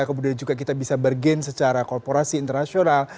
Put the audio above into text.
kemudian juga kita bisa bergen secara korporasi internasional